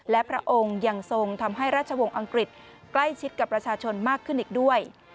และพระองค์ยังทรงทำให้ราชวงศ์อังกฤษใกล้ชิดกับประชาชนมากขึ้นอีกด้วย